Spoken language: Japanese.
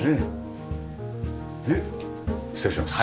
で失礼します。